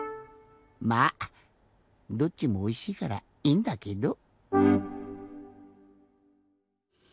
まあどっちもおいしいからいいんだけど。